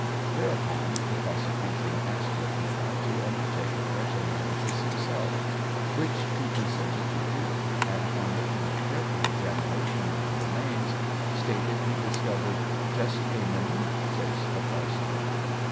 Thereupon the prosecution asked Orfila to undertake a fresh analysis himself, which he consented to do, and, on making a careful examination of the remains, stated he discovered just a minute trace of arsenic.